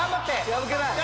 破けない。